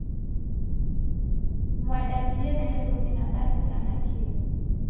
Mwadambie Nairobi na basi ra nakio?